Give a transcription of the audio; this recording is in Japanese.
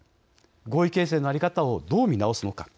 合意形成の在り方をどう見直すのか。